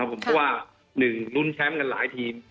เพราะว่า๑รุ้นแชมป์กันหลายทีม